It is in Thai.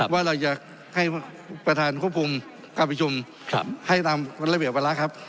ว่าเราจะให้ประธานควบคุมการประชุมให้ตามระเบียบวาระครับ